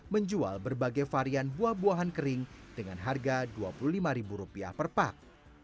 menjual berbagai varian buah buahan kering dengan harga rp dua puluh lima per pak